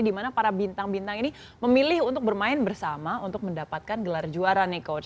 di mana para bintang bintang ini memilih untuk bermain bersama untuk mendapatkan gelar juara nih coach